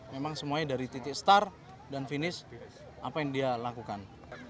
memang semuanya dari titik star dan finish apa yang dia lakukan